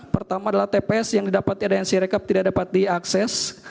pertama adalah tps yang didapat di adnc rekap tidak dapat diakses